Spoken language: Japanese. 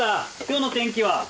今日の天気は？